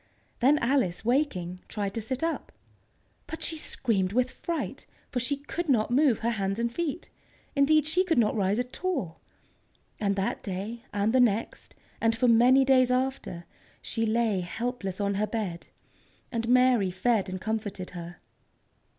Then Alice, waking, tried to sit up. But she screamed with fright, for she could not move her hands and feet. Indeed, she could not rise at all! And that day, and the next, and for many days after, she lay helpless on her bed, and Mary fed and comforted her.